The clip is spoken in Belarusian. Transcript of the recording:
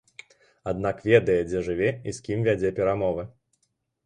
Аднак ведае, дзе жыве і з кім вядзе перамовы.